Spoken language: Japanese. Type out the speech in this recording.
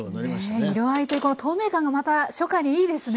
ねえ色合いでこの透明感がまた初夏にいいですね。